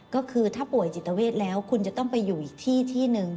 ก็คือถ้าป่วยจิตเวทแล้วคุณจะต้องไปอยู่อีกที่ที่หนึ่ง